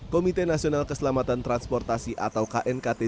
komite nasional keselamatan transportasi atau knkt